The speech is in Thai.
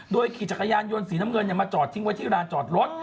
ขี่จักรยานยนต์สีน้ำเงินมาจอดทิ้งไว้ที่ร้านจอดรถ